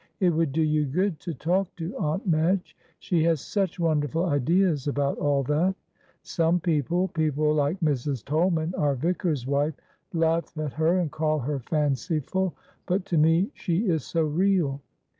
It would do you good to talk to Aunt Madge; she has such wonderful ideas about all that. Some people people like Mrs. Tolman, our vicar's wife laugh at her and call her fanciful, but to me she is so real.